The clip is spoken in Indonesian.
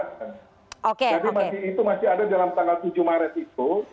jadi itu masih ada dalam tanggal tujuh maret itu